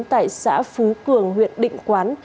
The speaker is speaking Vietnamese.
tại xã phú cường huyện định quán